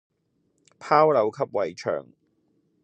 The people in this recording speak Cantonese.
炮樓及圍牆